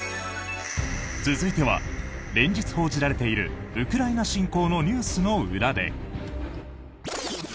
続いては、連日報じられているウクライナ侵攻のニュースの裏で。